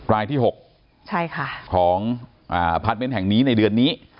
รายที่๖ของแผนแห่งนี้ในเดือนนี้